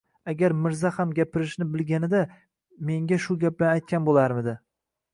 Agar Mirza ham gapirishni bilganida menga shu gaplarni aytgan bo`larmidi